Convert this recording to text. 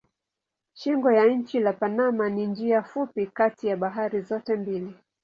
Shingo ya nchi la Panama ni njia fupi kati ya bahari zote mbili.